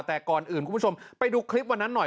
แต่ก่อนอื่นคุณผู้ชมไปดูคลิปวันนั้นหน่อย